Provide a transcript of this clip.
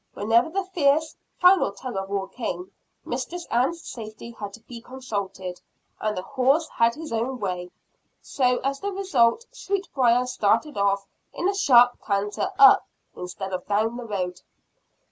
Whenever the fierce, final tug of war came, Mistress Ann's safety had to be consulted, and the horse had his own way. So, as the result Sweetbriar started off in a sharp canter up, instead of down, the road.